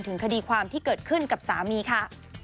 คดีความที่เกิดขึ้นกับสามีค่ะ